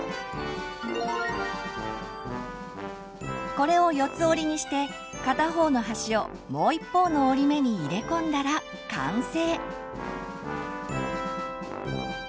これを４つ折りにして片方の端をもう一方の折り目に入れ込んだら完成。